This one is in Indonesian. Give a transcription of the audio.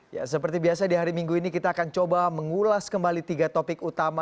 ya seperti biasa di hari minggu ini kita akan coba mengulas kembali tiga topik utama